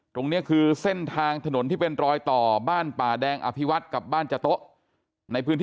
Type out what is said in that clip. ตรงนี้คือเส้นทางถนนที่เป็นรอยต่อบ้านป่าแดงอภิวัตกับบ้านจโต๊ะในพื้นที่